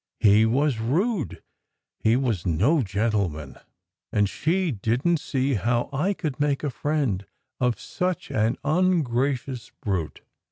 He was rude; he was "no gentleman" ; and she didn t see how I could make a friend of such an ungracious brute.